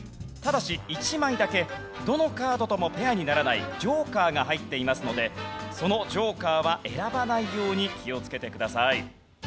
ただし１枚だけどのカードともペアにならないジョーカーが入っていますのでそのジョーカーは選ばないように気をつけてください。